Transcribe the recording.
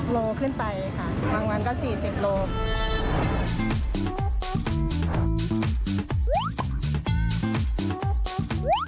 ๑๐โลกรัมขึ้นไปค่ะบางวันก็๔๐โลกรัม